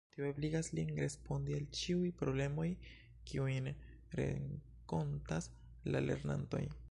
Tio ebligas lin respondi al ĉiuj problemoj kiujn renkontas la lernantoj.